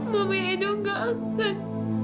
mamanya edo gak akan